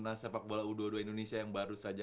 timnas sepak bola u dua puluh dua indonesia yang baru saja